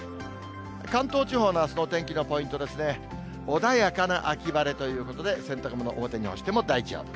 関東地方のあすのお天気のポイントですね、穏やかな秋晴れということで、洗濯物、表に干しても大丈夫。